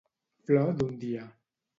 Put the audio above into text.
Flor d'un dia.